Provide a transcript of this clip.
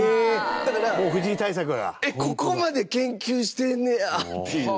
だから、ここまで研究してんねやっていう。